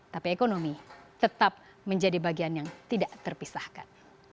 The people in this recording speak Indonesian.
tapi ekonomi tetap menjadi bagian yang tidak terpisahkan